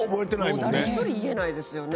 もう誰一人言えないですよね。